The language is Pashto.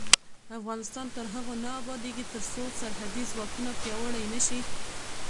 افغانستان تر هغو نه ابادیږي، ترڅو سرحدي ځواکونه پیاوړي نشي.